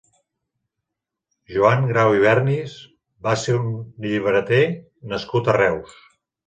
Joan Grau i Vernis va ser un llibreter nascut a Reus.